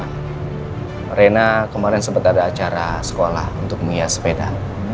karena rena kemarin sempat ada acara sekolah untuk menghias sepeda